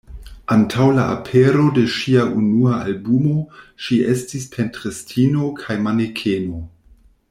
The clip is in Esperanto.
Antaŭ la apero de ŝia unua albumo, ŝi estis pentristino kaj manekeno.